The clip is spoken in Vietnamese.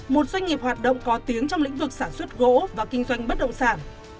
một doanh nghiệp hoạt động có tiếng trong lĩnh vực sản xuất gỗ và kinh doanh bất động sản